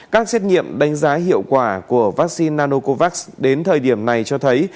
các xét nghiệm đánh giá hiệu quả của vaccine nanocovax đến thời điểm này cho thấy